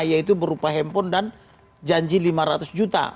yaitu berupa handphone dan janji lima ratus juta